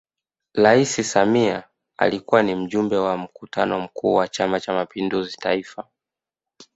Rais Samia alikuwa ni Mjumbe wa Mkutano Mkuu wa Chama Cha Mapinduzi Taifa